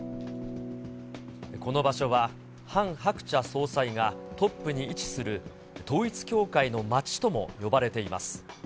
この場所はハン・ハクチャ総裁がトップに位置する、統一教会の街とも呼ばれています。